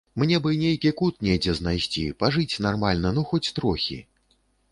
Мне бы нейкі кут недзе знайсці, пажыць нармальна, ну хоць трохі.